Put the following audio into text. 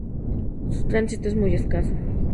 Su tránsito es muy escaso.